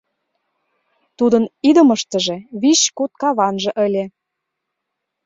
Тудын идымыштыже вич-куд каванже ыле.